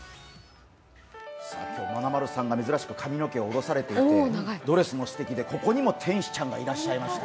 まなまるさんが珍しく髪の毛を下ろされていてドレスもすてきで、ここにも天使ちゃんがいらっしゃいました。